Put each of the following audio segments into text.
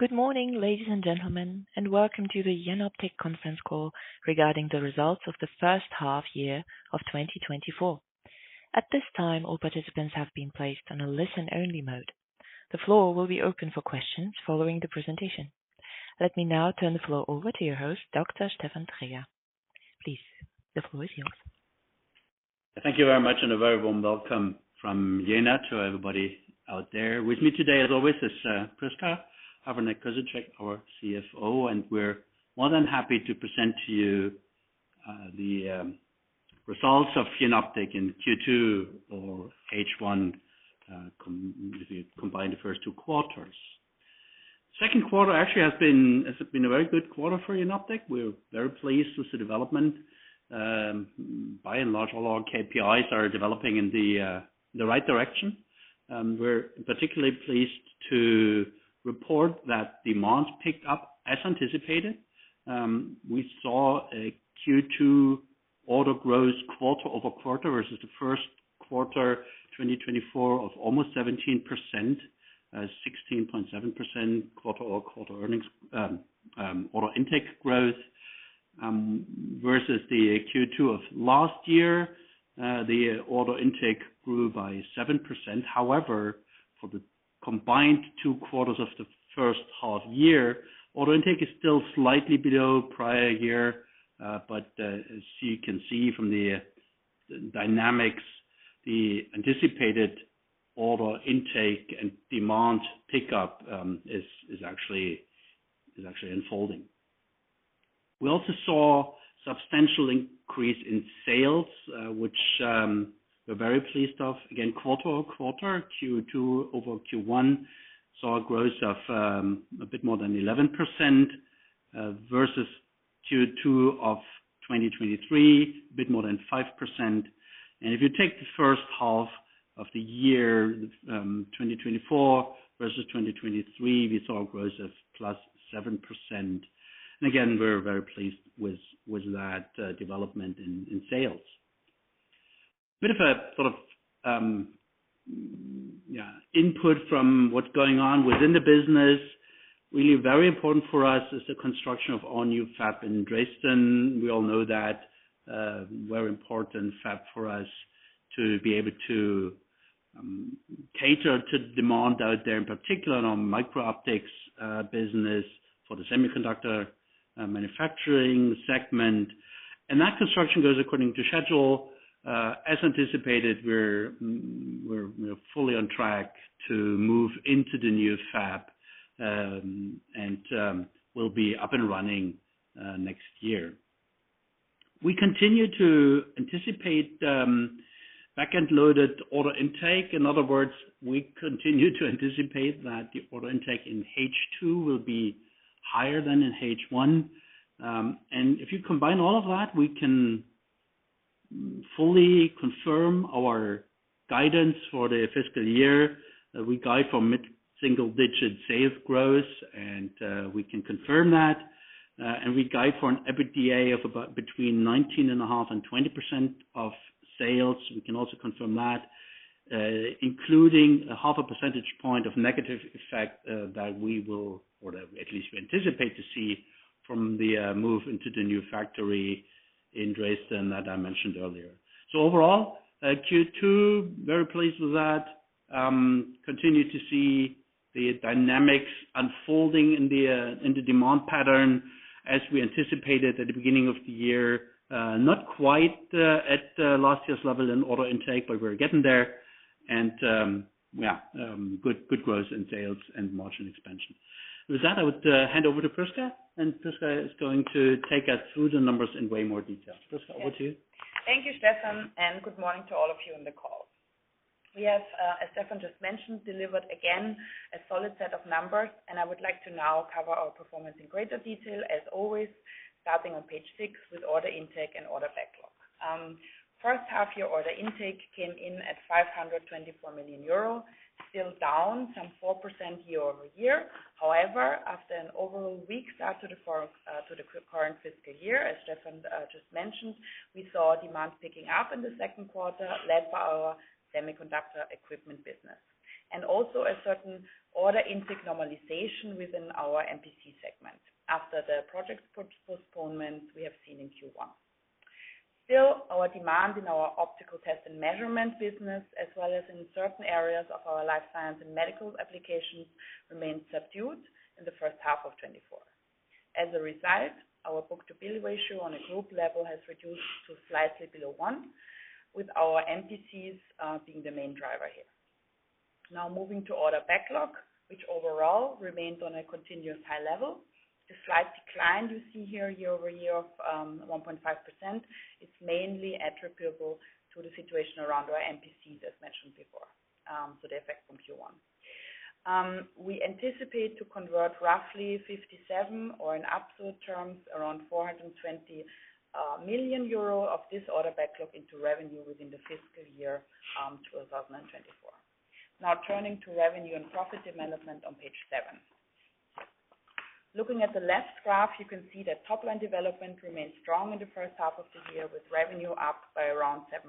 Good morning, ladies and gentlemen, and welcome to the Jenoptik conference call regarding the results of the H1 year of 2024. At this time, all participants have been placed on a listen-only mode. The floor will be open for questions following the presentation. Let me now turn the floor over to your host, Dr. Stefan Traeger. Please, the floor is yours. Thank you very much, and a very warm welcome from Jena to everybody out there. With me today, as always, is Prisca Havranek-Kosicek, our CFO, and we're more than happy to present to you the results of Jenoptik in Q2 or H1, if you combine the first two quarters. Second quarter actually has been a very good quarter for Jenoptik. We're very pleased with the development. By and large, all our KPIs are developing in the right direction. We're particularly pleased to report that demand picked up as anticipated. We saw a Q2 order growth quarter-over-quarter versus the Q1, 2024 of almost 17%, 16.7% quarter-over-quarter earnings, order intake growth versus the Q2 of last year. The order intake grew by 7%. However, for the combined two quarters of the H1 year, order intake is still slightly below prior year. But as you can see from the dynamics, the anticipated order intake and demand pickup is actually unfolding. We also saw substantial increase in sales, which we're very pleased of. Again, quarter-over-quarter, Q2 over Q1, saw a growth of a bit more than 11%, versus Q2 of 2023, a bit more than 5%. And if you take the H1 of the year, 2024 versus 2023, we saw a growth of +7%. And again, we're very pleased with that development in sales. A bit of a sort of, yeah, input from what's going on within the business. Really very important for us is the construction of our new fab in Dresden. We all know that, very important fab for us to be able to cater to demand out there, in particular on microoptics business for the semiconductor manufacturing segment. That construction goes according to schedule. As anticipated, we're fully on track to move into the new fab, and we'll be up and running next year. We continue to anticipate back-end loaded order intake. In other words, we continue to anticipate that the order intake in H2 will be higher than in H1. If you combine all of that, we can fully confirm our guidance for the fiscal year. We guide for mid-single digit sales growth, and we can confirm that. And we guide for an EBITDA of about between 19.5% and 20% of sales. We can also confirm that, including a 0.5 percentage point of negative effect, that we will or that at least we anticipate to see from the move into the new factory in Dresden that I mentioned earlier. So overall, Q2, very pleased with that. Continue to see the dynamics unfolding in the demand pattern as we anticipated at the beginning of the year. Not quite at last year's level in order intake, but we're getting there. And yeah, good, good growth in sales and margin expansion. With that, I would hand over to Prisca, and Prisca is going to take us through the numbers in way more detail. Prisca, over to you. Thank you, Stefan, and good morning to all of you on the call. We have, as Stefan just mentioned, delivered again a solid set of numbers, and I would like to now cover our performance in greater detail, as always, starting on page six with order intake and order backlog. First half year order intake came in at 524 million euro, still down some 4% quarter-over-quarter. However, after an overall weak start to the current fiscal year, as Stefan just mentioned, we saw demand picking up in the Q2, led by our semiconductor equipment business, and also a certain order intake normalization within our NPC segment after the project postponement we have seen in Q1. Still, our demand in our optical test and measurement business, as well as in certain areas of our life science and medical applications, remained subdued in the H1 of 2024. As a result, our book-to-bill ratio on a group level has reduced to slightly below one, with our NPCs being the main driver here. Now, moving to order backlog, which overall remains on a continuous high level. The slight decline you see here quarter-over-quarter of 1.5%, it's mainly attributable to the situation around our NPCs, as mentioned before, so the effect from Q1. We anticipate to convert roughly 57 or in absolute terms, around 420 million euro of this order backlog into revenue within the fiscal year 2024. Now, turning to revenue and profit development on page seven. Looking at the left graph, you can see that top line development remains strong in the H1 of the year, with revenue up by around 7%....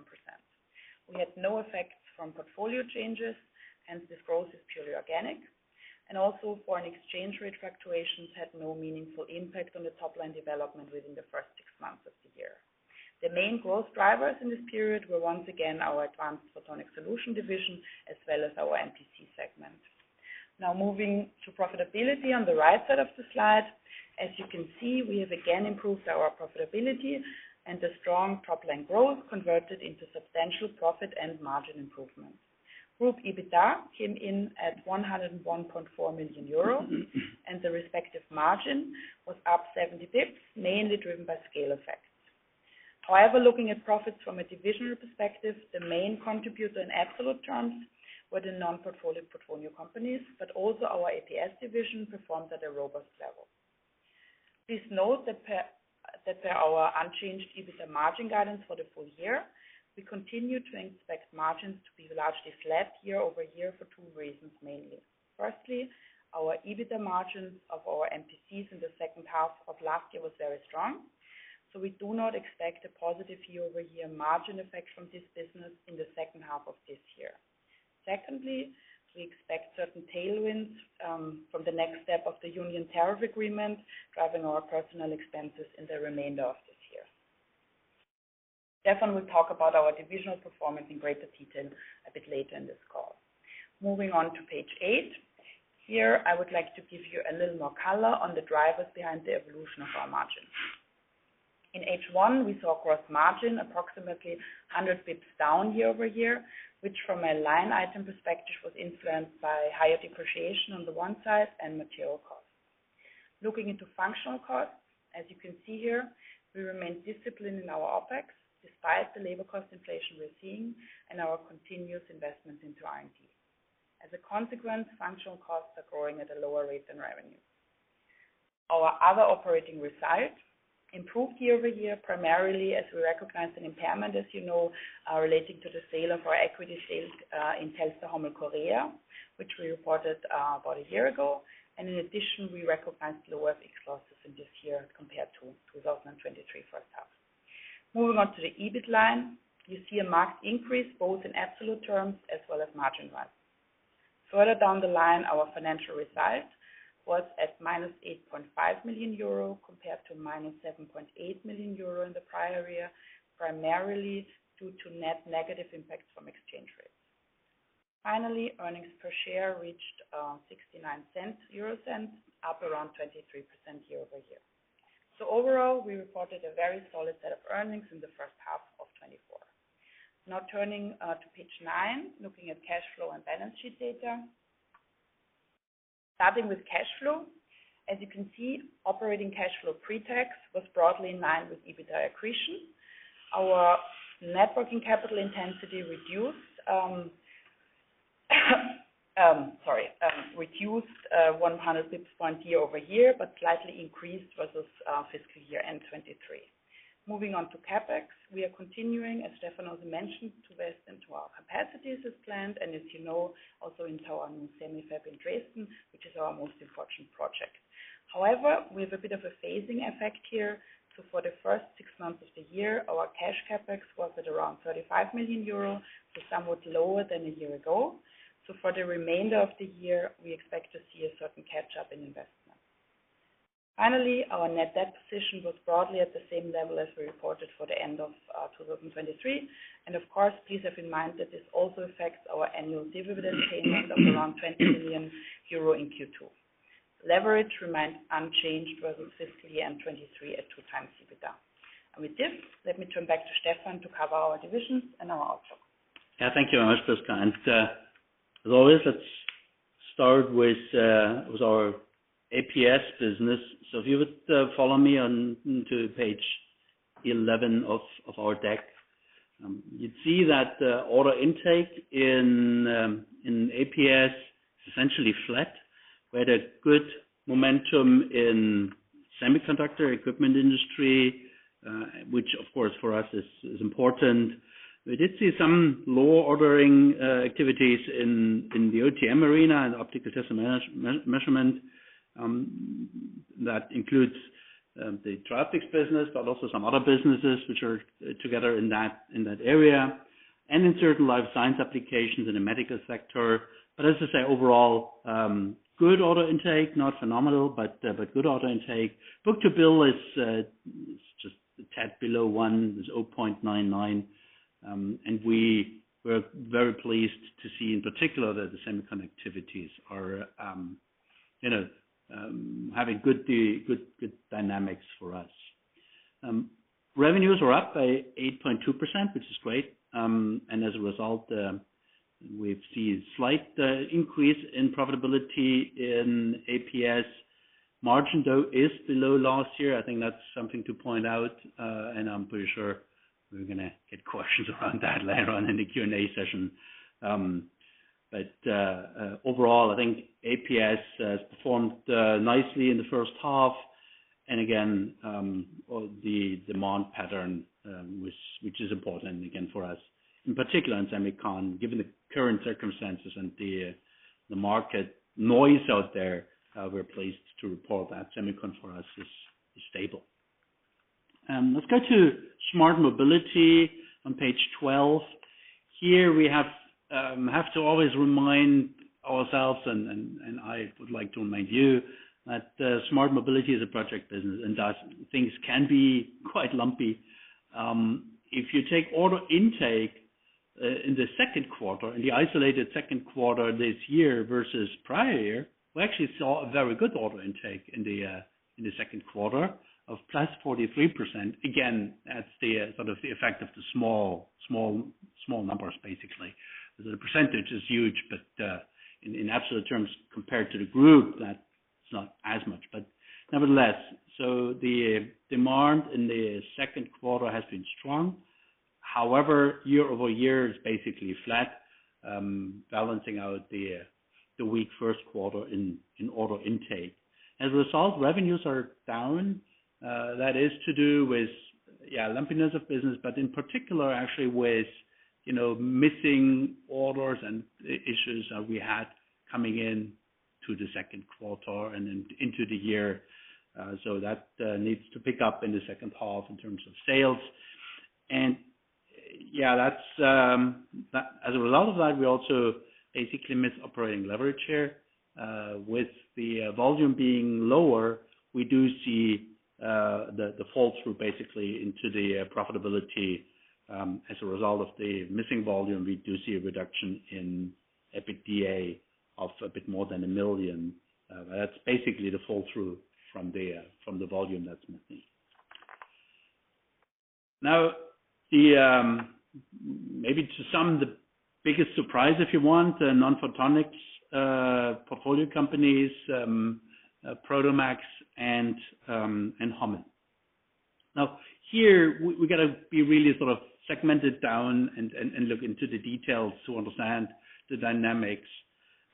We had no effects from portfolio changes, hence this growth is purely organic. Also foreign exchange rate fluctuations had no meaningful impact on the top line development within the first six months of the year. The main growth drivers in this period were once again our Advanced Photonic Solutions division, as well as our MTC segment. Now moving to profitability on the right side of the slide, as you can see, we have again improved our profitability and the strong top line growth converted into substantial profit and margin improvement. Group EBITDA came in at 101.4 million euros, and the respective margin was up 70 basis points, mainly driven by scale effects. However, looking at profits from a divisional perspective, the main contributor in absolute terms were the non-photonic portfolio companies, but also our APS division performed at a robust level. Please note that per our unchanged EBITDA margin guidance for the full year, we continue to expect margins to be largely flat quarter-over-quarter for two reasons, mainly. Firstly, our EBITDA margins of our MTCs in the H2 of last year was very strong, so we do not expect a positive quarter-over-quarter margin effect from this business in the H2 of this year. Secondly, we expect certain tailwinds from the next step of the union tariff agreement, driving our personnel expenses in the remainder of this year. Stefan will talk about our divisional performance in greater detail a bit later in this call. Moving on to page 8. Here, I would like to give you a little more color on the drivers behind the evolution of our margins. In H1, we saw gross margin approximately 100 basis points down year over year, which from a line item perspective, was influenced by higher depreciation on the one side and material costs. Looking into functional costs, as you can see here, we remain disciplined in our OpEx despite the labor cost inflation we're seeing and our continuous investments into R&D. As a consequence, functional costs are growing at a lower rate than revenue. Our other operating results improved year over year, primarily as we recognized an impairment, as you know, relating to the sale of our equity stake in Telstar-Hommel in Korea, which we reported about a year ago. In addition, we recognized lower FX losses in this year compared to 2023 H1. Moving on to the EBIT line, you see a marked increase both in absolute terms as well as margin wise. Further down the line, our financial result was at -8.5 million euro, compared to -7.8 million euro in the prior year, primarily due to net negative impacts from exchange rates. Finally, earnings per share reached 0.69, up around 23% quarter-over-quarter. So overall, we reported a very solid set of earnings in the H1 of 2024. Now turning to page nine, looking at cash flow and balance sheet data. Starting with cash flow, as you can see, operating cash flow pre-tax was broadly in line with EBITDA accretion. Our net working capital intensity reduced 100 basis points quarter-over-quarter, but slightly increased versus fiscal year-end 2023. Moving on to CapEx, we are continuing, as Stefan also mentioned, to invest into our capacities as planned, and as you know, also into our semi fab in Dresden, which is our most important project. However, we have a bit of a phasing effect here, so for the first six months of the year, our cash CapEx was at around 35 million euro, so somewhat lower than a year ago. So for the remainder of the year, we expect to see a certain catch-up in investment. Finally, our net debt position was broadly at the same level as we reported for the end of 2023. And of course, please have in mind that this also affects our annual dividend payment of around 20 million euro in Q2. Leverage remains unchanged versus fiscal year 2023 at 2x EBITDA. And with this, let me turn back to Stefan to cover our divisions and our outlook. Yeah, thank you very much, Prisca. As always, let's start with our APS business. So if you would follow me on to page 11 of our deck. You'd see that order intake in APS is essentially flat. We had a good momentum in semiconductor equipment industry, which of course, for us is important. We did see some lower ordering activities in the OTM arena and optical test measurement, that includes the traffic business, but also some other businesses which are together in that area, and in certain life science applications in the medical sector. But as I say, overall, good order intake, not phenomenal, but good order intake. Book-to-bill is just a tad below one, is 0.99. We were very pleased to see in particular that the semiconductor activities are, you know, having good dynamics for us. Revenues are up by 8.2%, which is great, and as a result, we've seen slight increase in profitability in APS. Margin, though, is below last year. I think that's something to point out, and I'm pretty sure we're gonna get questions around that later on in the Q&A session. But overall, I think APS has performed nicely in the H1. And again, the demand pattern, which is important again for us, in particular in semicon, given the current circumstances and the market noise out there, we're pleased to report that semicon for us is stable. Let's go to Smart Mobility on page 12. Here we have to always remind ourselves, and I would like to remind you, that Smart Mobility is a project business, and thus things can be quite lumpy. If you take order intake in the Q2, in the isolated Q2 this year versus prior year, we actually saw a very good order intake in the Q2 of +43%. Again, that's the sort of the effect of the small, small, small numbers, basically. The percentage is huge, but in absolute terms, compared to the group, that's not as much. But nevertheless, the demand in the Q2 has been strong. However, quarter-over-quarter is basically flat, balancing out the weak Q1 in order intake. As a result, revenues are down. That is to do with, yeah, lumpiness of business, but in particular, actually with, you know, missing orders and issues that we had coming in to the Q2 and then into the year. So that needs to pick up in the H2 in terms of sales. And, yeah, that's as a result of that, we also basically miss operating leverage here. With the volume being lower, we do see the fall through basically into the profitability. As a result of the missing volume, we do see a reduction in EBITDA of a bit more than 1 million. That's basically the fall through from the volume that's missing. Now, the maybe to some, the biggest surprise, if you want, the Non-Photonic Portfolio Companies, Prodomax and Hommel. Now, here, we gotta be really sort of segmented down and look into the details to understand the dynamics.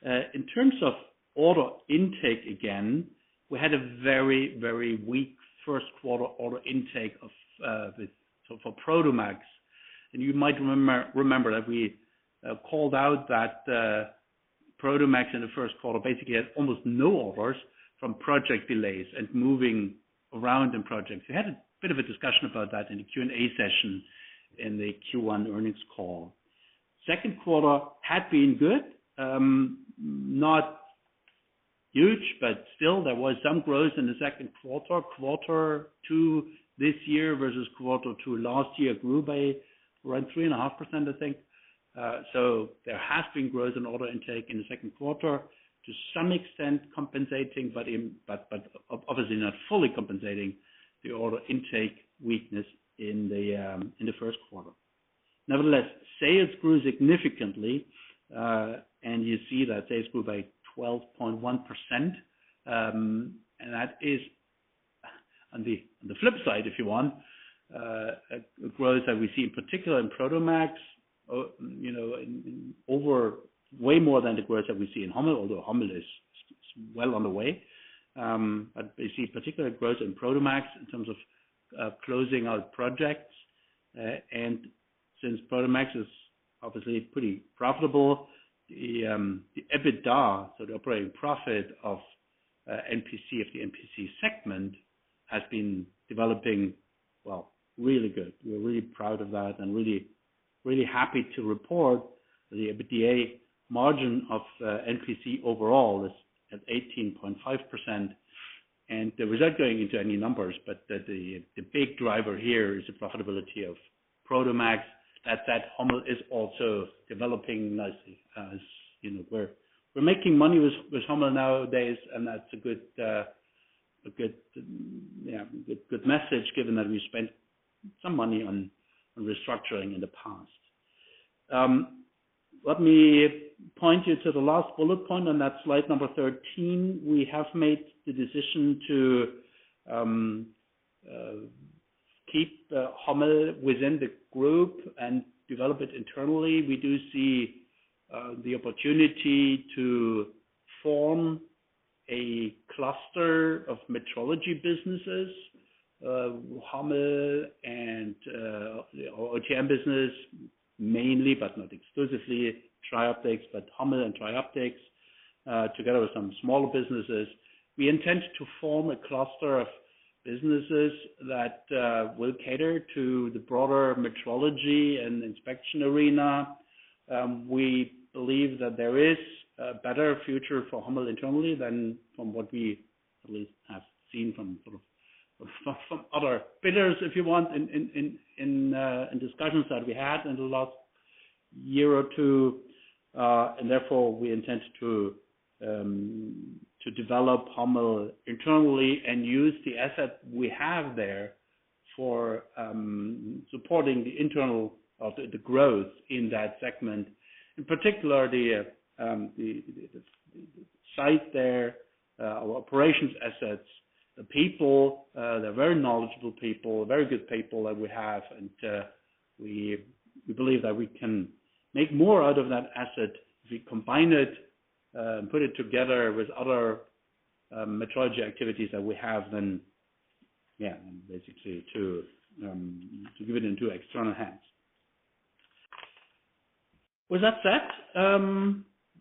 In terms of order intake, again, we had a very, very weak Q1 order intake for Prodomax, and you might remember that we called out that Prodomax in the Q1 basically had almost no orders from project delays and moving around in projects. We had a bit of a discussion about that in the Q&A session in the Q1 earnings call. Second quarter had been good, not huge, but still there was some growth in the Q2. Quarter two this year versus quarter two last year grew by around 3.5%, I think. So there has been growth in order intake in the Q2, to some extent, compensating, but obviously not fully compensating the order intake weakness in the Q1. Nevertheless, sales grew significantly, and you see that sales grew by 12.1%. And that is, on the flip side, if you want, a growth that we see, in particular in Prodomax, you know, in over way more than the growth that we see in Hommel, although Hommel is well on the way. But we see particular growth in Prodomax in terms of closing out projects. And since Prodomax is obviously pretty profitable, the EBITDA, so the operating profit of NPC, of the NPC segment, has been developing, well, really good. We're really proud of that and really, really happy to report the EBITDA margin of NPC overall is at 18.5%. And without going into any numbers, but the big driver here is the profitability of Prodomax, that Hommel is also developing nicely. As you know, we're making money with Hommel nowadays, and that's a good, a good message, given that we spent some money on restructuring in the past. Let me point you to the last bullet point on that slide number 13. We have made the decision to keep Hommel within the group and develop it internally. We do see the opportunity to form a cluster of metrology businesses, Hommel and our OTM business, mainly, but not exclusively, Trioptics, but Hommel and Trioptics together with some smaller businesses. We intend to form a cluster of businesses that will cater to the broader metrology and inspection arena. We believe that there is a better future for Hommel internally than from what we at least have seen from other bidders, if you want, in discussions that we had in the last year or two. And therefore, we intend to develop Hommel internally and use the asset we have there for supporting the internal of the growth in that segment. In particular, the site there, our operations assets, the people, they're very knowledgeable people, very good people that we have. And we believe that we can make more out of that asset if we combine it and put it together with other metrology activities that we have, then, yeah, basically, to give it into external hands. With that said,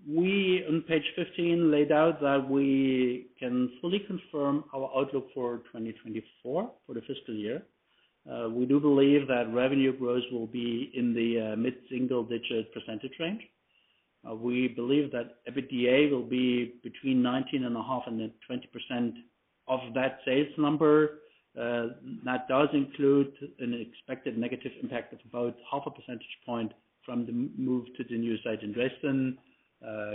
we, on page 15, laid out that we can fully confirm our outlook for 2024, for the fiscal year. We do believe that revenue growth will be in the mid-single digit percentage range. We believe that EBITDA will be between 19.5% and 20% of that sales number. That does include an expected negative impact of about half a percentage point from the move to the new site in Dresden.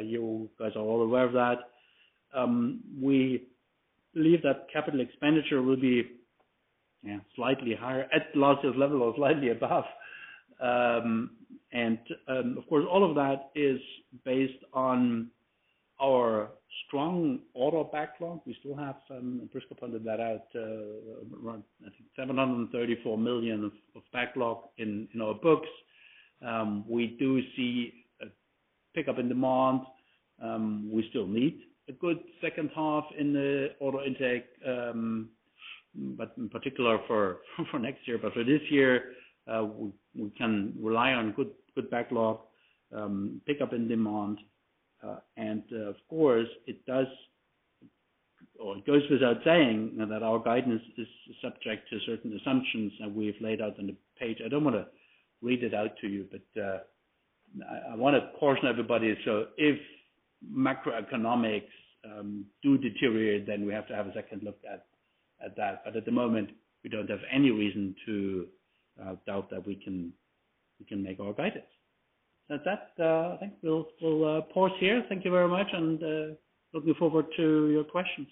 You guys are all aware of that. We believe that capital expenditure will be, yeah, slightly higher at largest level or slightly above. And, of course, all of that is based on our strong order backlog. We still have some, Prisca pointed that out, around, I think 734 million of backlog in our books. We do see a pickup in demand. We still need a good H2 in the order intake, but in particular for next year. But for this year, we can rely on good, good backlog, pick up in demand. And of course, it does or it goes without saying that our guidance is subject to certain assumptions that we've laid out on the page. I don't want to read it out to you, but I want to caution everybody. So if macroeconomics do deteriorate, then we have to have a second look at that. But at the moment, we don't have any reason to doubt that we can make our guidance. So with that, I think we'll pause here. Thank you very much, and looking forward to your questions.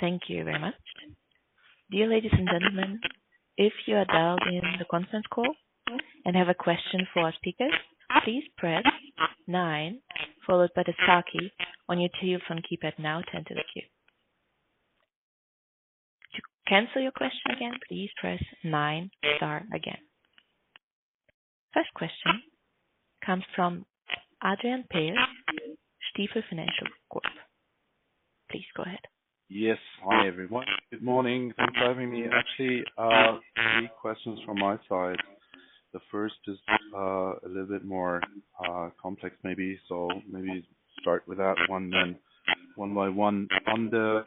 Thank you very much. Dear ladies and gentlemen, if you are dialed in the conference call and have a question for our speakers, please press nine followed by the star key on your telephone keypad. Now, to enter the queue. To cancel your question again, please press nine star again. First question comes from Adrian Pehl, Stifel. Please go ahead. Yes. Hi, everyone. Good morning. Thanks for having me. Actually, three questions from my side. The first is, a little bit more, complex, maybe. So maybe start with that one, then one by one. On the,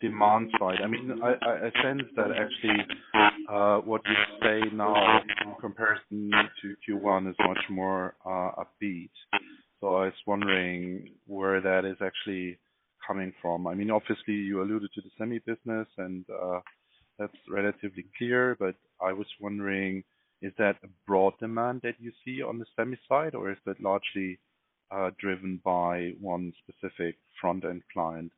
demand side, I mean, I sense that actually, what you say now in comparison to Q1 is much more, upbeat. So I was wondering where that is actually coming from. I mean, obviously, you alluded to the semi business, and, that's relatively clear, but I was wondering, is that a broad demand that you see on the semi side, or is that largely, driven by one specific front-end client?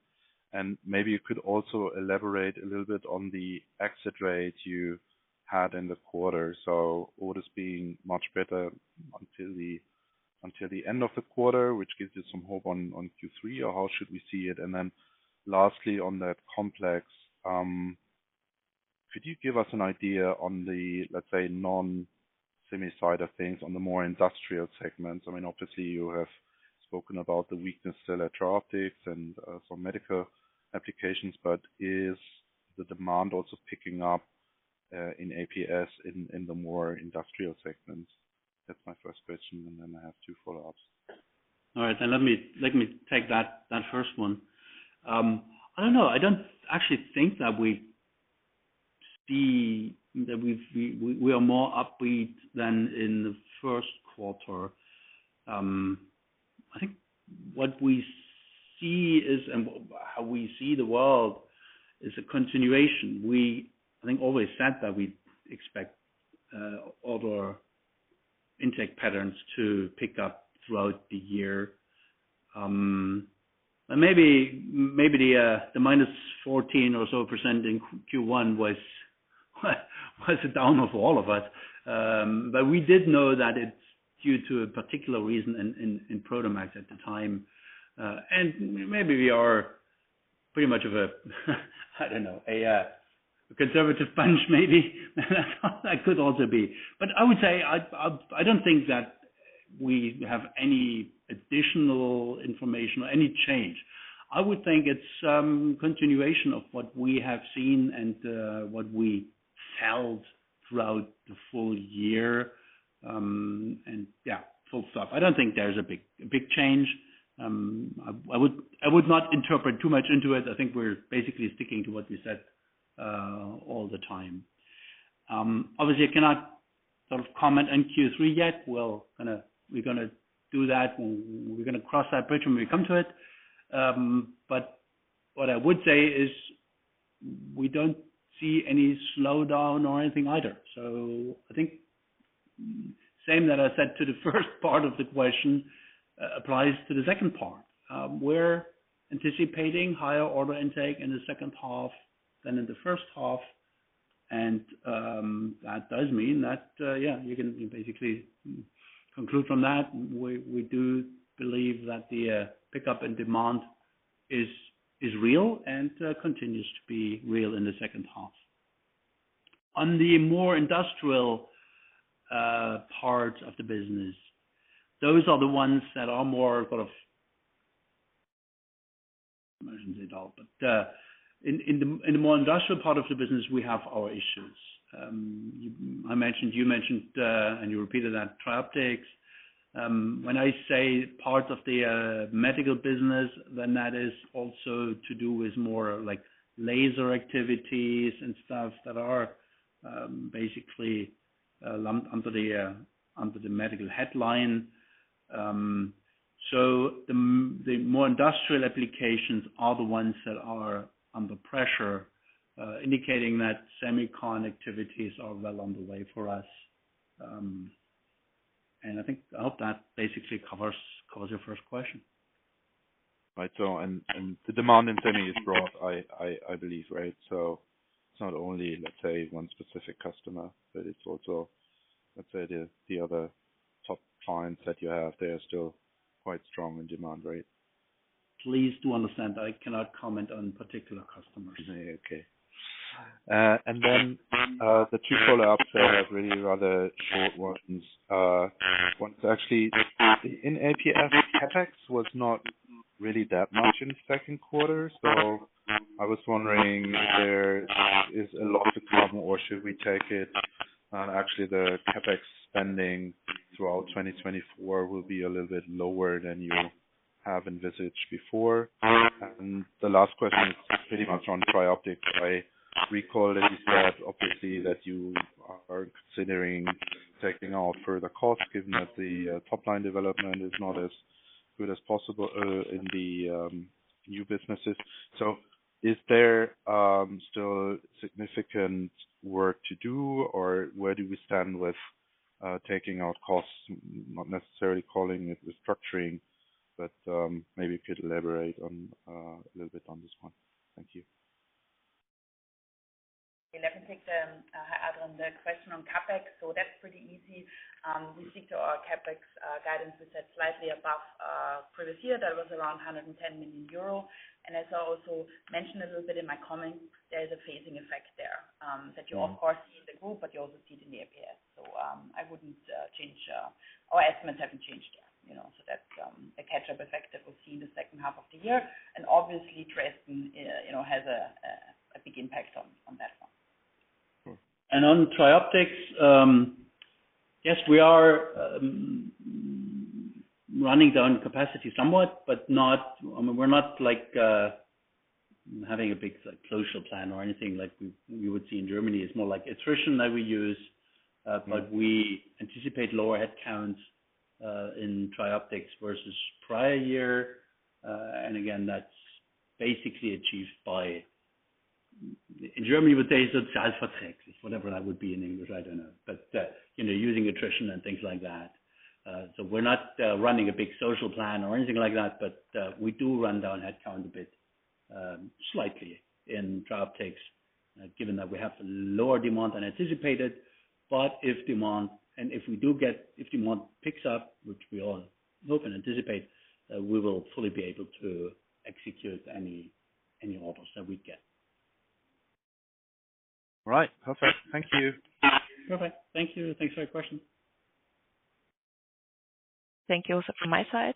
And maybe you could also elaborate a little bit on the exit rates you had in the quarter. So orders being much better until the end of the quarter, which gives you some hope on Q3, or how should we see it? And then lastly, on that complex, could you give us an idea on the, let's say, non-semi side of things, on the more industrial segments? I mean, obviously, you have spoken about the weakness in electro-optics and some medical applications, but is the demand also picking up in APS, in the more industrial segments? That's my first question, and then I have two follow-ups. All right, then let me, let me take that, that first one. I don't know. I don't actually think that we see that we've—we, we are more upbeat than in the Q1. I think what we see is, and how we see the world is a continuation. We, I think, always said that we expect order intake patterns to pick up throughout the year. And maybe, maybe the, the -14% or so in Q1 was, was a downer for all of us. But we did know that it's due to a particular reason in, in, in Prodomax at the time. And maybe we are pretty much of a, I don't know, a, conservative bunch, maybe. That could also be. But I would say I, I, I don't think that we have any additional information or any change. I would think it's continuation of what we have seen and what we held throughout the full year. And yeah, full stop. I don't think there's a big change. I would not interpret too much into it. I think we're basically sticking to what we said all the time. Obviously, I cannot sort of comment on Q3 yet. We're gonna do that, and we're gonna cross that bridge when we come to it. But what I would say is, we don't see any slowdown or anything either. So I think same that I said to the first part of the question applies to the second part. We're anticipating higher order intake in the H2 than in the H1, and that does mean that yeah, you can basically conclude from that. We do believe that the pickup in demand is real and continues to be real in the H2. On the more industrial parts of the business, those are the ones that are more sort of it all, but in the more industrial part of the business, we have our issues. I mentioned, you mentioned, and you repeated that TRIOPTICS, when I say parts of the medical business, then that is also to do with more, like, laser activities and stuff that are basically lump under the medical headline. So the more industrial applications are the ones that are under pressure, indicating that semicon activities are well on the way for us. And I think, I hope that basically covers your first question. Right. So, the demand in semi is broad, I believe, right? So it's not only, let's say, one specific customer, but it's also, let's say, the other top clients that you have, they are still quite strong in demand, right? Please do understand, I cannot comment on particular customers. Okay. And then, the two follow-ups are really rather short ones. One's actually, in APS, CapEx was not really that much in the Q2, so I was wondering if there is a lot to come, or should we take it, actually, the CapEx spending throughout 2024 will be a little bit lower than you have envisaged before? And the last question is pretty much on Trioptics. I recall it, that obviously, that you are considering taking out further costs, given that the top-line development is not as good as possible in the new businesses. So is there still significant work to do, or where do we stand with taking out costs? Not necessarily calling it restructuring, but maybe you could elaborate on a little bit on this one. Thank you. Let me take the Adrian, the question on CapEx. So that's pretty easy. We stick to our CapEx guidance, we set slightly above previous year. That was around 110 million euro. And as I also mentioned a little bit in my comments, there is a phasing effect there, that you of course see in the group, but you also see it in the APS. So, I wouldn't change. Our estimates haven't changed there, you know, so that's a catch-up effect that we'll see in the H2 of the year. And obviously, Dresden, you know, has a big impact on that one. On TRIOPTICS, yes, we are running down capacity somewhat, but not, I mean, we're not like having a big, like, social plan or anything like we would see in Germany. It's more like attrition that we use. Mm. But we anticipate lower headcounts in Trioptics versus prior year. And again, that's basically achieved by... In Germany, we would say, "...," whatever that would be in English, I don't know. But, you know, using attrition and things like that. So we're not running a big social plan or anything like that, but we do run down headcount a bit, slightly in Trioptics, given that we have lower demand than anticipated. But if demand picks up, which we all hope and anticipate, we will fully be able to execute any, any orders that we get. All right. Perfect. Thank you. Perfect. Thank you. Thanks for your question. Thank you also from my side.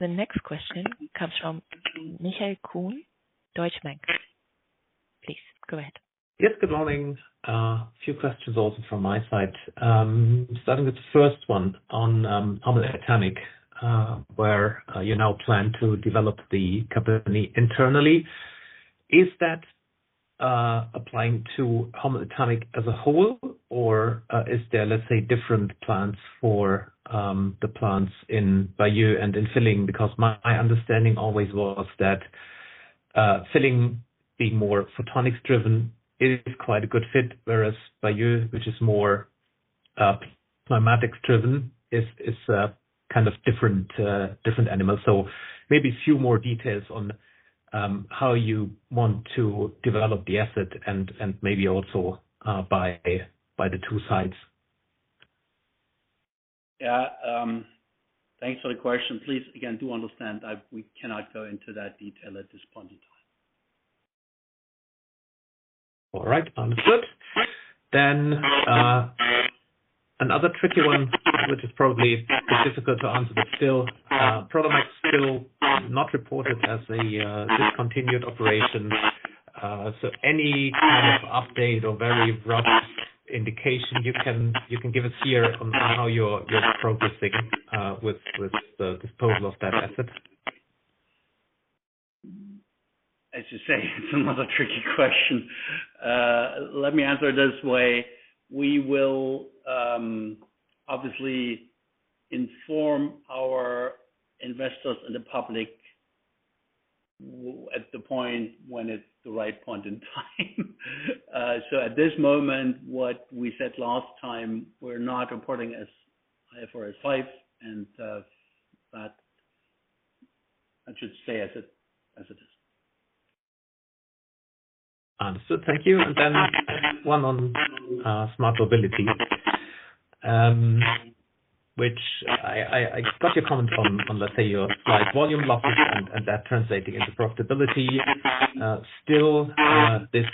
The next question comes from Michael Kuhn, Deutsche Bank. Please, go ahead. Yes, good morning. A few questions also from my side. Starting with the first one on Hommel Etamic, where you now plan to develop the company internally. Is that applying to Hommel Etamic as a whole, or is there, let's say, different plans for the plants in Bayeux and in Villingen? Because my understanding always was that Villingen being more photonics-driven is quite a good fit, whereas Bayeux, which is more climatics-driven, is kind of different animals. So maybe a few more details on how you want to develop the asset and maybe also by the two sides. Yeah. Thanks for the question. Please, again, do understand, we cannot go into that detail at this point in time. All right. Understood. Then, another tricky one, which is probably difficult to answer, but still, Prodomax still not reported as a discontinued operations. So any kind of update or very rough indication you can, you can give us here on how you're, you're progressing, with, with the disposal of that asset? As you say, it's another tricky question. Let me answer it this way: We will obviously inform our investors and the public at the point when it's the right point in time. So at this moment, what we said last time, we're not reporting as IFRS 5, and but I should say as it is. Understood. Thank you. And then one on smart mobility, which I got your comment on, let's say, your slide, volume losses and that translating into profitability. Still, this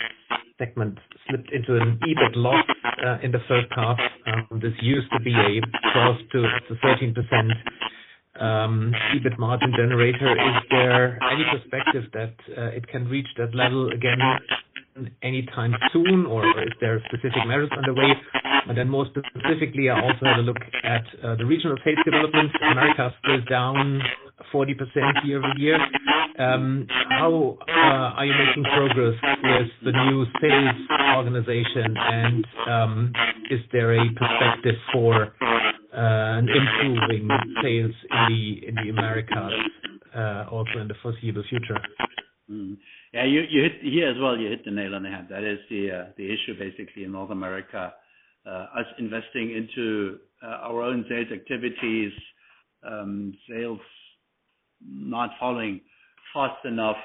segment slipped into an EBIT loss in the H1. This used to be a close to 13% EBIT margin generator. Is there any perspective that it can reach that level again anytime soon, or is there specific measures underway? And then most specifically, I also had a look at the regional sales development. Americas was down 40% quarter-over-quarter. How are you making progress with the new sales organization? And is there a perspective for improving sales in the Americas also in the foreseeable future? Mm-hmm. Yeah, you, you hit, here as well, you hit the nail on the head. That is the issue basically in North America. Us investing into our own sales activities, sales not falling fast enough,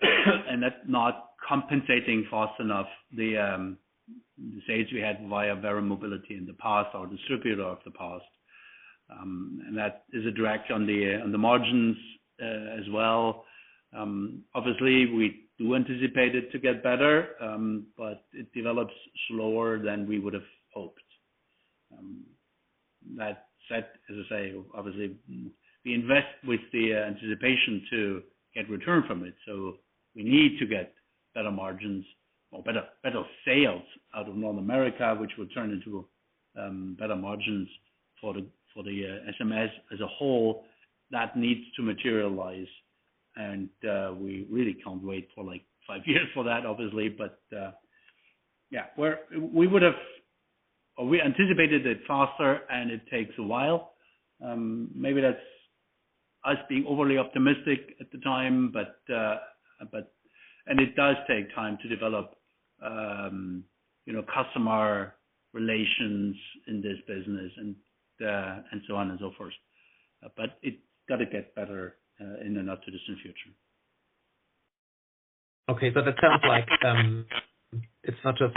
and that's not compensating fast enough. The sales we had via Verra Mobility in the past, our distributor of the past. And that is a drag on the margins as well. Obviously, we do anticipate it to get better, but it develops slower than we would have hoped. That said, as I say, obviously, we invest with the anticipation to get return from it. So we need to get better margins or better sales out of North America, which would turn into better margins for the SMS as a whole. That needs to materialize, and we really can't wait for, like, 5 years for that, obviously. But, yeah, we would have... We anticipated it faster, and it takes a while. Maybe that's us being overly optimistic at the time, but, and it does take time to develop, you know, customer relations in this business and, and so on and so forth. But it's got to get better, in the not-too-distant future. Okay, but it sounds like it's not just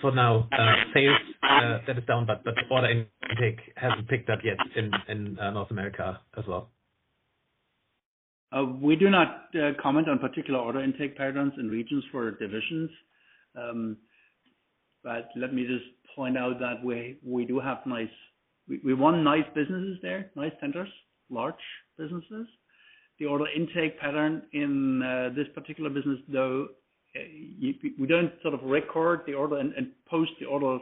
for now sales that is down, but the order intake hasn't picked up yet in North America as well. We do not comment on particular order intake patterns in regions for divisions. But let me just point out that we do have nice—we won nice businesses there, nice centers, large businesses. The order intake pattern in this particular business, though, we don't sort of record the order and post the orders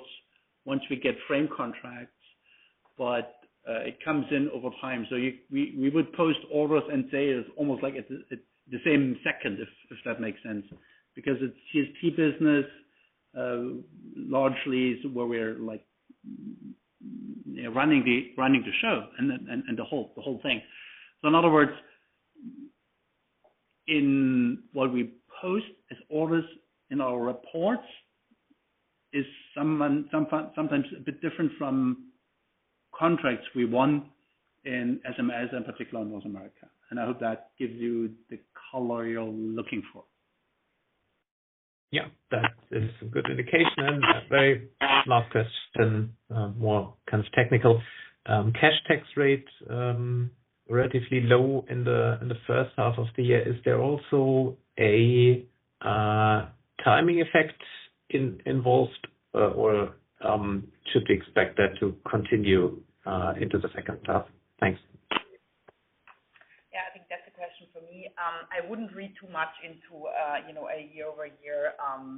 once we get frame contracts, but it comes in over time. So we would post orders and say it's almost like it's the same second, if that makes sense. Because it's TSP business largely is where we're like running the show and then the whole thing. So in other words, what we post as orders in our reports is sometimes a bit different from contracts we won in SMS, and particularly in North America. I hope that gives you the color you're looking for. Yeah, that is a good indication and a very smart question. More kind of technical. Cash tax rate, relatively low in the H1 of the year. Is there also a timing effect involved, or should we expect that to continue into the H2? Thanks. Yeah, I think that's a question for me. I wouldn't read too much into, you know, a quarter-over-quarter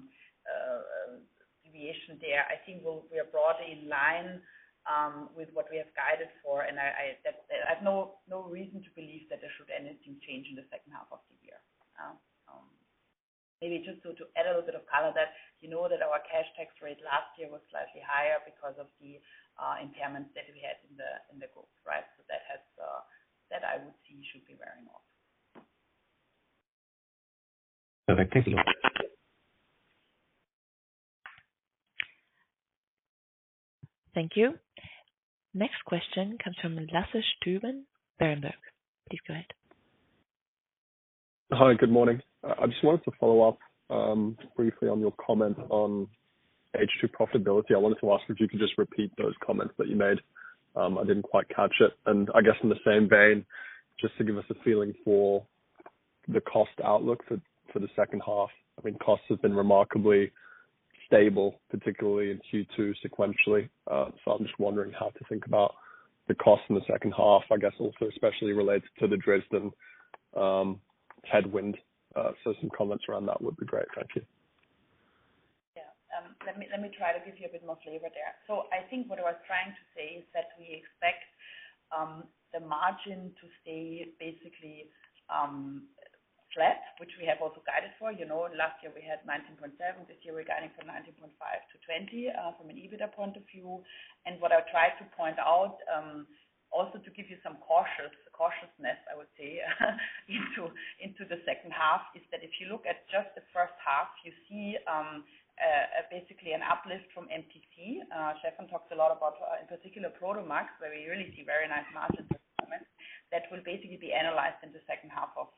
deviation there. I think we'll we are broadly in line with what we have guided for, and I that I have no reason to believe that there should anything change in the H2 of the year. Maybe just to add a little bit of color that, you know, that our cash tax rate last year was slightly higher because of the impairments that we had in the group, right? So that has that I would see should be wearing off. Perfect, thank you. Thank you. Next question comes from Lasse Stueben, Berenberg. Please go ahead. Hi, good morning. I just wanted to follow up briefly on your comment on H2 profitability. I wanted to ask if you could just repeat those comments that you made. I didn't quite catch it. And I guess in the same vein, just to give us a feeling for the cost outlook for the H2. I mean, costs have been remarkably stable, particularly in Q2, sequentially. So I'm just wondering how to think about the cost in the H2, I guess, also especially related to the Dresden headwind. So some comments around that would be great. Thank you. Yeah. Let me try to give you a bit more flavor there. So I think what I was trying to say is that we expect the margin to stay basically flat, which we have also guided for. You know, last year we had 19.7, this year we're guiding from 19.5-20, from an EBIT point of view. And what I tried to point out also to give you some cautious cautiousness, I would say, into the H2, is that if you look at just the H1, you see basically an uplift from MTC. Stefan talked a lot about in particular ProtoMax, where we really see very nice margins at the moment. That will basically be analyzed in the H2 of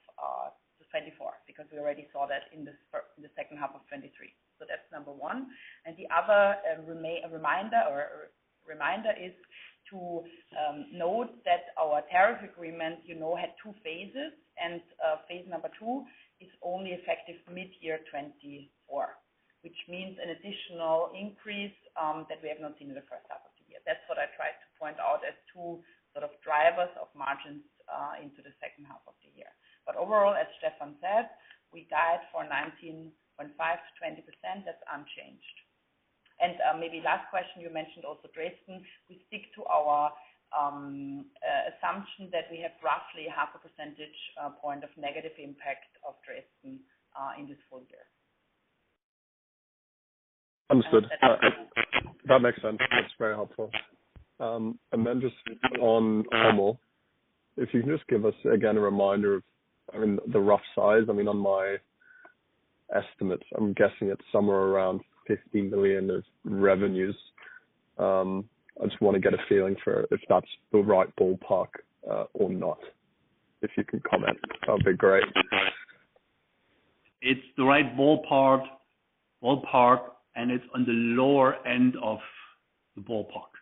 2024, because we already saw that in the H2 of 2023. So that's number one. And the other reminder is to note that our tariff agreement, you know, had two phases, and phase number two is only effective mid-year 2024, which means an additional increase that we have not seen in the H1 of the year. That's what I tried to point out as two sort of drivers of margins into the H2 of the year. But overall, as Stefan said, we guided for 19.5%-20%, that's unchanged. And maybe last question, you mentioned also Dresden. We stick to our assumption that we have roughly 0.5 percentage point of negative impact of Dresden in this full year. Understood. That makes sense. That's very helpful. And then just on Hommel, if you can just give us, again, a reminder of, I mean, the rough size. I mean, on my estimates, I'm guessing it's somewhere around 50 million of revenues. I just want to get a feeling for if that's the right ballpark, or not. If you can comment, that'd be great. It's the right ballpark, ballpark, and it's on the lower end of the ballpark.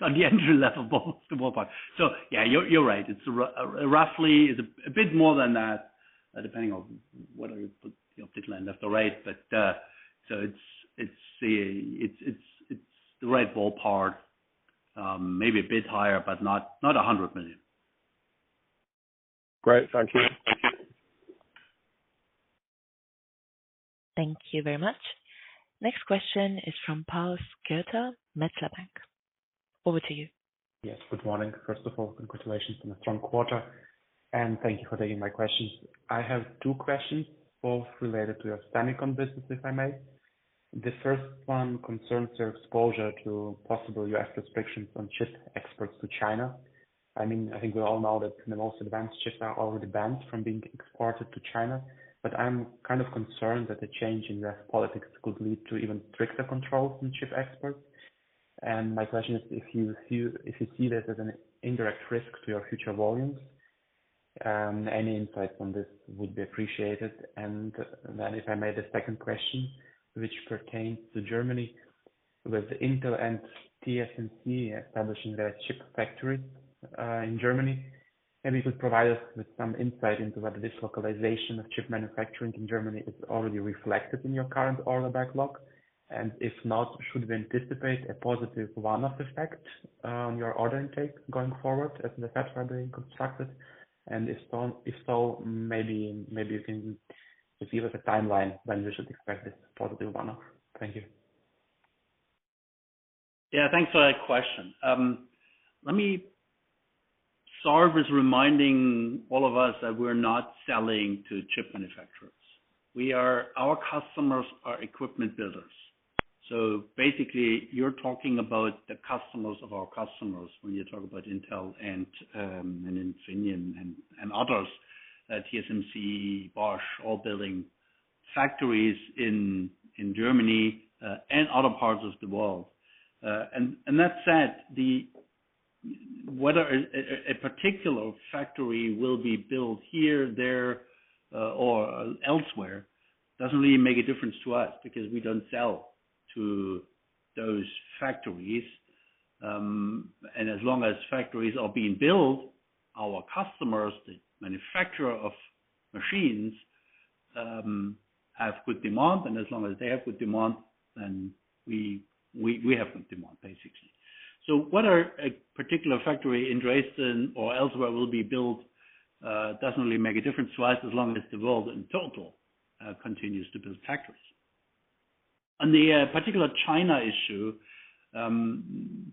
On the entry level ball the ballpark. So, yeah, you're, you're right. It's roughly, it's a bit more than that, depending on whether you put the optical end of the rate. But, so it's, it's the, it's, it's, it's the right ballpark, maybe a bit higher, but not, not 100 million. Great. Thank you. Thank you very much. Next question is from Pal Skirta, Metzler Bank. Over to you. Yes, good morning. First of all, congratulations on a strong quarter, and thank you for taking my questions. I have two questions, both related to your semicon business, if I may. The first one concerns your exposure to possible U.S. restrictions on chip exports to China. I mean, I think we all know that the most advanced chips are already banned from being exported to China, but I'm kind of concerned that the change in U.S. politics could lead to even stricter controls in chip exports. And my question is, if you see, if you see this as an indirect risk to your future volumes, any insight on this would be appreciated. Then if I may, the second question, which pertains to Germany, with Intel and TSMC establishing their chip factory in Germany, maybe you could provide us with some insight into whether this localization of chip manufacturing in Germany is already reflected in your current order backlog. And if not, should we anticipate a positive one-off effect on your order intake going forward as the fabs are being constructed? And if so, if so, maybe, maybe you can give us a timeline when we should expect this positive one-off. Thank you. Yeah, thanks for that question. Let me start with reminding all of us that we're not selling to chip manufacturers. Our customers are equipment builders. So basically, you're talking about the customers of our customers when you talk about Intel and Infineon and others, TSMC, Bosch, all building factories in Germany and other parts of the world. And that said, whether a particular factory will be built here, there, or elsewhere, doesn't really make a difference to us because we don't sell to those factories. As long as factories are being built, our customers, the manufacturer of machines, have good demand, and as long as they have good demand, then we have good demand, basically. So whether a particular factory in Dresden or elsewhere will be built doesn't really make a difference to us, as long as the world in total continues to build factories. On the particular China issue, in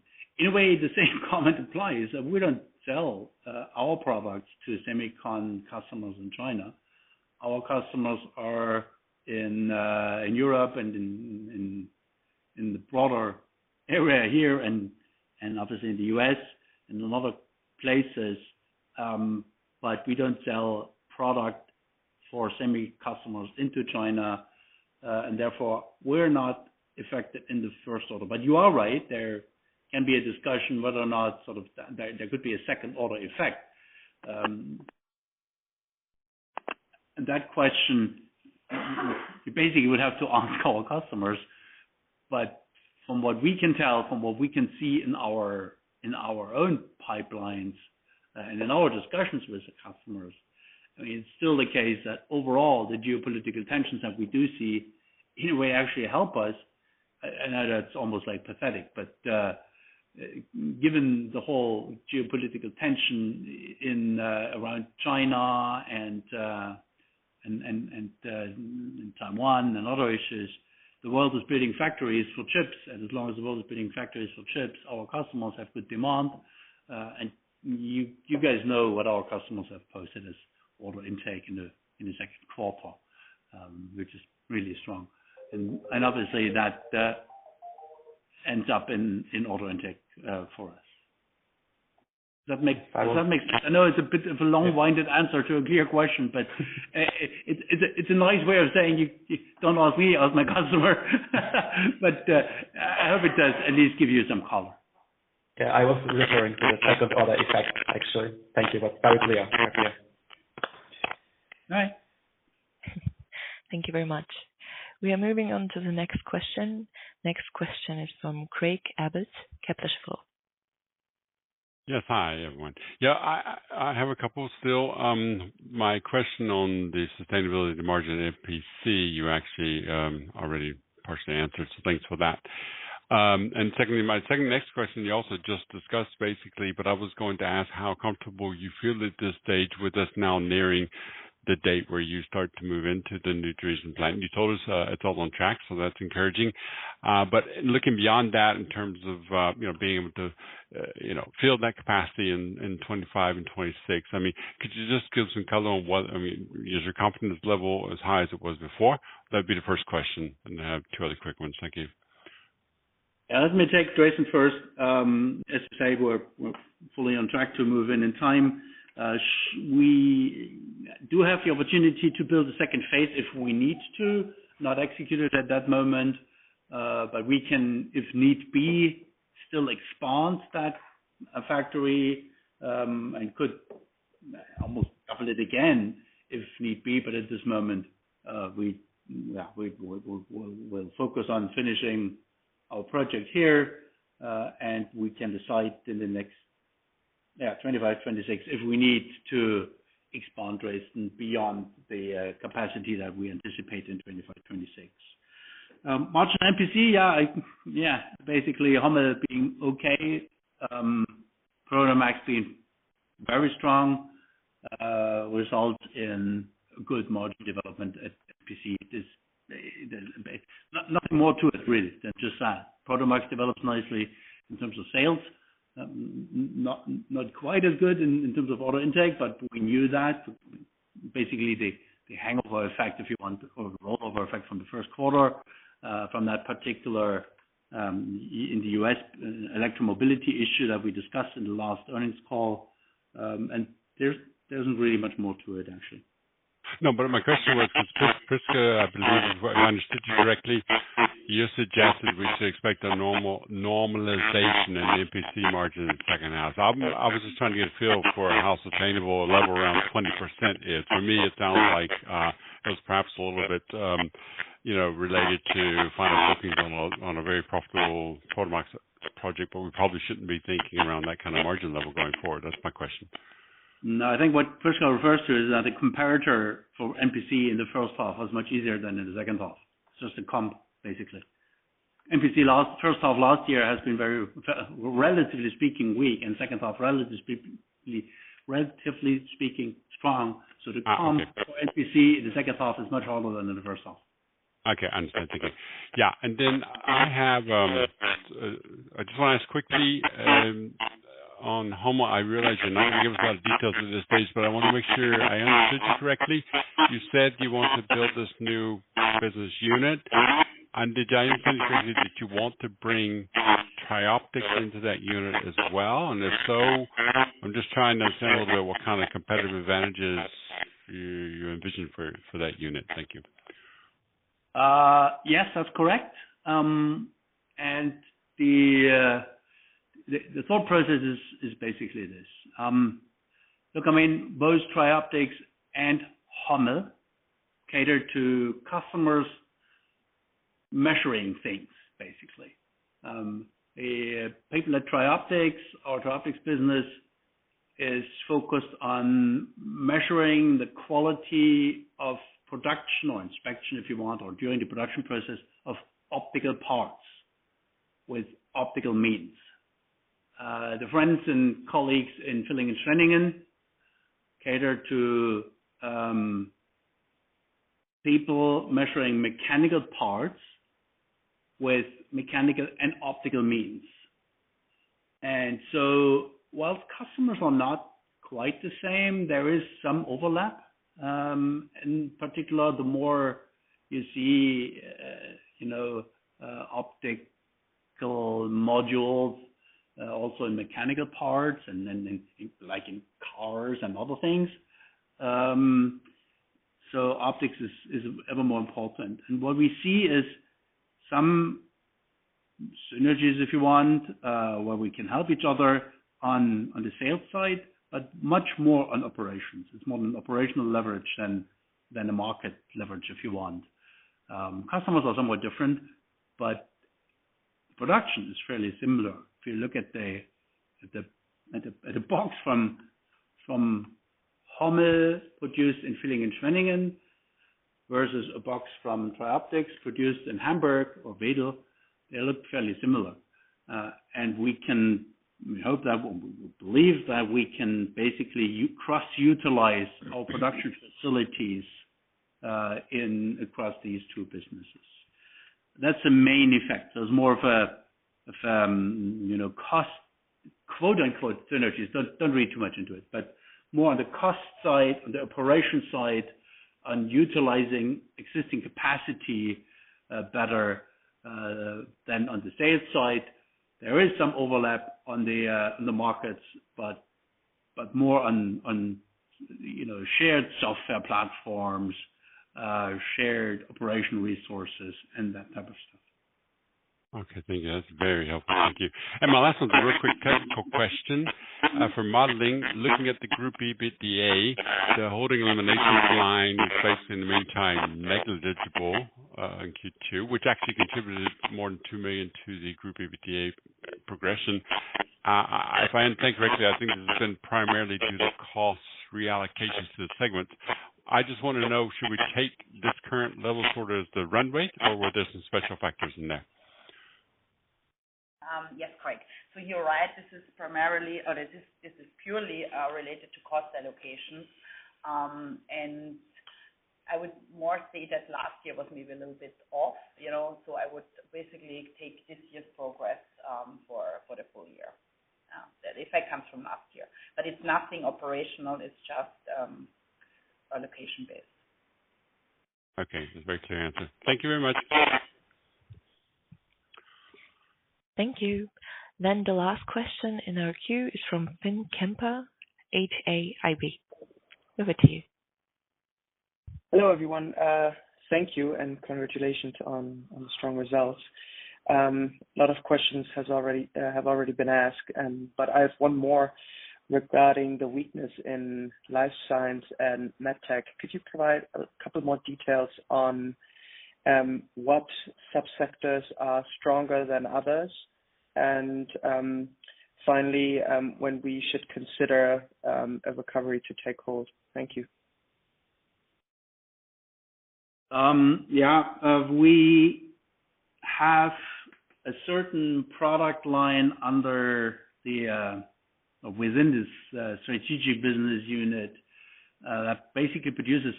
a way, the same comment applies. We don't sell our products to semicon customers in China. Our customers are in the broader area here and obviously in the US and in other places. But we don't sell product for semi customers into China, and therefore we're not affected in the first order. But you are right, there can be a discussion whether or not sort of there could be a second order effect. And that question, you basically would have to ask our customers, but from what we can tell, from what we can see in our, in our own pipelines and in our discussions with the customers, I mean, it's still the case that overall, the geopolitical tensions that we do see in a way actually help us. I know that's almost, like, pathetic, but given the whole geopolitical tension around China and in Taiwan and other issues, the world is building factories for chips. And as long as the world is building factories for chips, our customers have good demand. And you guys know what our customers have posted as order intake in the Q2, which is really strong. And obviously, that ends up in order intake for us. Does that make- I will- Does that make sense? I know it's a bit of a long-winded answer to a clear question, but it's a nice way of saying, you don't ask me, ask my customer. But, I hope it does at least give you some color. Yeah, I was referring to the second order effect, actually. Thank you, that's very clear. Thank you. All right.... Thank you very much. We are moving on to the next question. Next question is from Craig Abbott, Kepler Cheuvreux. Yes. Hi, everyone. Yeah, I have a couple still. My question on the sustainability margin MPC, you actually already partially answered, so thanks for that. And secondly, my second next question, you also just discussed, basically, but I was going to ask how comfortable you feel at this stage with us now nearing the date where you start to move into the new production plant. You told us, it's all on track, so that's encouraging. But looking beyond that, in terms of, you know, being able to, you know, fill that capacity in 2025 and 2026, I mean, could you just give some color on what... I mean, is your confidence level as high as it was before? That'd be the first question, and I have two other quick ones. Thank you. Yeah. Let me take Jason first. As you say, we're fully on track to move in time. We do have the opportunity to build a second phase if we need to. Not executed at that moment, but we can, if need be, still expand that factory, and could almost double it again if need be. But at this moment, yeah, we'll focus on finishing our project here, and we can decide in the next, yeah, 25, 26, if we need to expand race beyond the capacity that we anticipate in 25, 26. Margin MPC, yeah, yeah, basically, Hommel being okay, ProtoMax being very strong, result in good margin development at MPC. Is nothing more to it, really, than just that. ProtoMax develops nicely in terms of sales, not quite as good in terms of order intake, but we knew that. Basically, the hangover effect, if you want, or the rollover effect from the Q1, from that particular in the US electromobility issue that we discussed in the last earnings call, and there isn't really much more to it, actually. No, but my question was, Chris, Chris, I've been reading, I understood you correctly. You suggested we should expect a normal- normalization in the MPC margin in the H2. I, I was just trying to get a feel for how sustainable a level around 20% is. For me, it sounds like, it was perhaps a little bit, you know, related to final bookings on a, on a very profitable ProtoMax project, but we probably shouldn't be thinking around that kind of margin level going forward. That's my question. No, I think what Chris refers to is that the comparator for MPC in the H1 was much easier than in the H2. Just a comp, basically. MPC last H1 last year has been very, relatively speaking, weak, and H2, relatively, relatively speaking, strong. Ah, okay. The comp for MPC in the H2 is much harder than in the H1. Okay, understood. Thank you. Yeah, and then I have, I just want to ask quickly, on Hommel, I realize you're not going to give us a lot of details at this stage, but I want to make sure I understood you correctly. You said you want to build this new business unit, and did I understand you, that you want to bring Trioptics into that unit as well? And if so, I'm just trying to understand a little bit what kind of competitive advantages you, you envision for, for that unit. Thank you. Yes, that's correct. And the thought process is basically this: look, I mean, both Trioptics and Hommel cater to customers measuring things, basically. People at Trioptics, our Trioptics business is focused on measuring the quality of production or inspection, if you want, or during the production process of optical parts with optical means. The friends and colleagues in Villingen-Schwenningen cater to people measuring mechanical parts with mechanical and optical means. And so while customers are not quite the same, there is some overlap. In particular, the more you see, you know, optical modules also in mechanical parts and then, like, in cars and other things. So optics is ever more important. What we see is some synergies, if you want, where we can help each other on, on the sales side, but much more on operations. It's more on operational leverage than the market leverage, if you want. Customers are somewhat different, but production is fairly similar. If you look at a box from Hommel produced in Villingen-Schwenningen versus a box from Trioptics produced in Hamburg or Wedel, they look fairly similar. And we can... We hope that, we believe that we can basically cross-utilize our production facilities across these two businesses. That's the main effect. There's more of a, you know, cost, quote, unquote, "synergies." Don't read too much into it, but more on the cost side, on the operation side, on utilizing existing capacity better than on the sales side. There is some overlap on the markets, but more on, you know, shared software platforms, shared operational resources, and that type of stuff. ... Okay, thank you. That's very helpful. Thank you. My last one, a real quick technical question, for modeling, looking at the group EBITDA, the holding elimination line is basically, in the meantime, negligible, in Q2, which actually contributed more than 2 million to the group EBITDA progression. If I understand correctly, I think this has been primarily due to cost reallocation to the segments. I just want to know, should we take this current level sort of the runway, or were there some special factors in there? Yes, correct. So you're right, this is primarily, or this, this is purely, related to cost allocation. And I would more say that last year was maybe a little bit off, you know, so I would basically take this year's progress, for, for the full year, that effect comes from last year. But it's nothing operational, it's just, allocation based. Okay. That's a very clear answer. Thank you very much. Thank you. Then the last question in our queue is from Finn Kemper, HA IB. Over to you. Hello, everyone. Thank you and congratulations on the strong results. A lot of questions have already been asked, but I have one more regarding the weakness in life science and med tech. Could you provide a couple more details on what sub-sectors are stronger than others? And finally, when we should consider a recovery to take hold? Thank you. Yeah. We have a certain product line under the within this strategic business unit that basically produces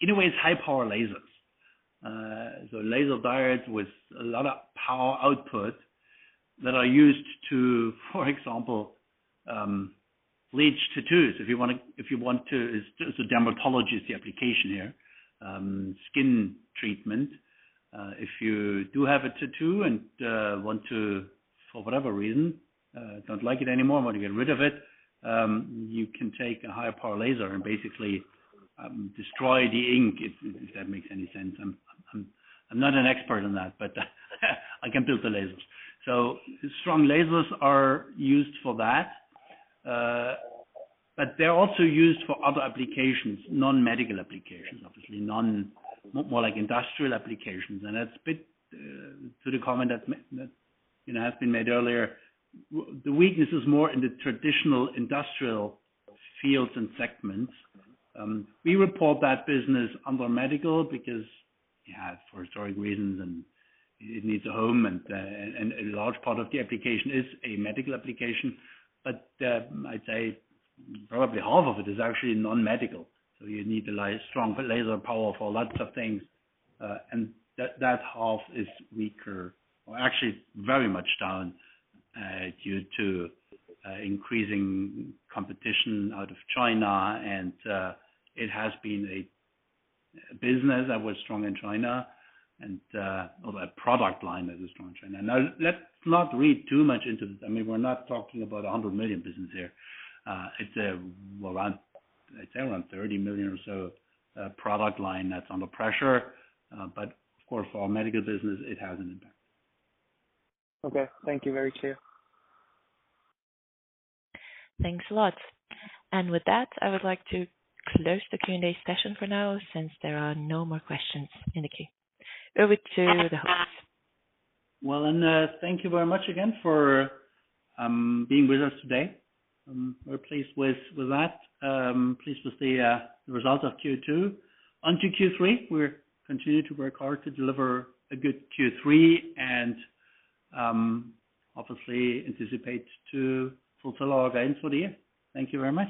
in a way it's high power lasers. So laser diodes with a lot of power output that are used to, for example, bleach tattoos, if you wanna, if you want to, it's a dermatology application here, skin treatment. If you do have a tattoo and want to, for whatever reason, don't like it anymore, want to get rid of it, you can take a high power laser and basically destroy the ink, if that makes any sense. I'm not an expert in that, but I can build the lasers. So strong lasers are used for that. But they're also used for other applications, non-medical applications, obviously non... More like industrial applications. And that's with the comment that you know has been made earlier. With the weakness is more in the traditional industrial fields and segments. We report that business under medical because yeah for historic reasons and it needs a home and and a large part of the application is a medical application. But I'd say probably half of it is actually non-medical. So you need a strong laser power for lots of things and that half is weaker or actually very much down due to increasing competition out of China. And it has been a business that was strong in China and or a product line that is strong in China. Now let's not read too much into this. I mean we're not talking about a 100 million business here. It's, well, around, I'd say around 30 million or so, product line that's under pressure. But of course, our medical business, it has an impact. Okay. Thank you. Very clear. Thanks a lot. With that, I would like to close the Q&A session for now, since there are no more questions in the queue. Over to the host. Well, and thank you very much again for being with us today. We're pleased with that. Pleased with the results of Q2. Onto Q3, we're continue to work hard to deliver a good Q3 and obviously anticipate to fulfill our gains for the year. Thank you very much.